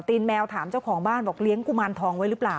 แมวถามเจ้าของบ้านบอกเลี้ยงกุมารทองไว้หรือเปล่า